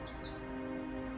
buatlah pilihan yang sangat bijak